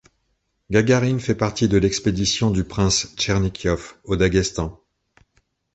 Gagarine fait partie de l'expédition du prince Tchernichiov au Daghestan.